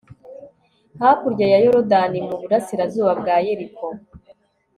hakurya ya yorudani, mu burasirazuba bwa yeriko